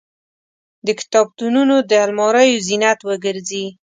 د کتابتونونو د الماریو زینت وګرځي.